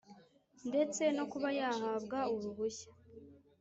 ndetse no kuba yahabwa uruhushya